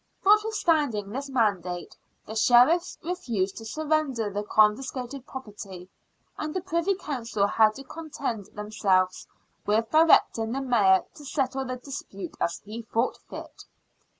Notwithstand ing this mandate, the Sheriffs refused to surrender the confiscated property, and the Privy Council had to content themselves with directing the Mayor to settle the dispute as he thought fit.